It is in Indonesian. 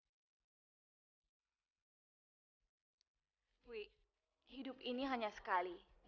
dan kita tidak boleh hanya melewatkannya dengan kesedihan